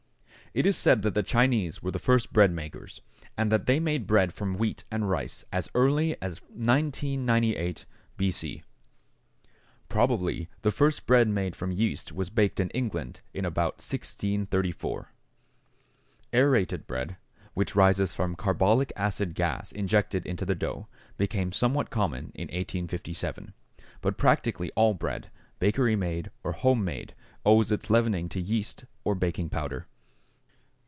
= It is said that the Chinese were the first bread makers, and that they made bread from wheat and rice as early as 1998 B. C. Probably the first bread made from yeast was baked in England in about 1634. Aërated bread, which rises from carbolic acid gas injected into the dough, became somewhat common in 1857, but practically all bread, bakery made or home made, owes its leavening to yeast or baking powder.